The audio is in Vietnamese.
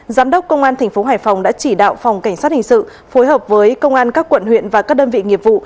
giám đốc công an tp hải phòng đã chỉ đạo phòng cảnh sát hình sự phối hợp với công an các quận huyện và các đơn vị nghiệp vụ